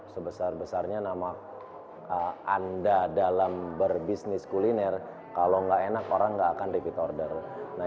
sebesar besarnya anda dalam berbisnis kuliner kalau tidak enak orang tidak akan mengambil pesanan